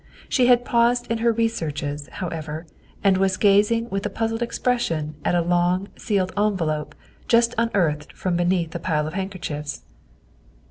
She had paused in her researches, however, and was gazing with a puzzled expression at a long, sealed envelope just un earthed from beneath a pile of handkerchiefs.